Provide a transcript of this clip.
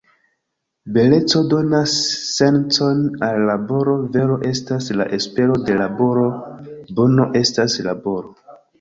Beleco- donas sencon al laboro, vero- estas la espero de laboro, bono- estas laboro.